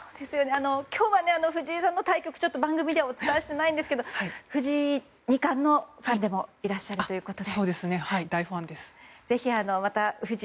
今日は藤井さんの対局を番組でお伝えしていないんですが藤井二冠のファンでもいらっしゃるということで。